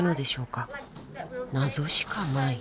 ［謎しかない］